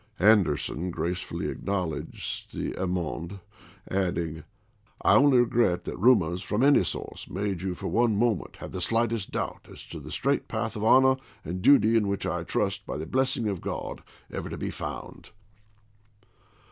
Anderson gracefully acknowledged the amende, adding, " I only regret that rumors from any source made you for one moment have the slightest doubt as to the straight path of honor and duty in which I trust, by the blessing of God, ever to be found."